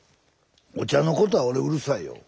お茶のことは俺うるさいよ。